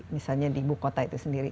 misalnya di ibu kota itu sendiri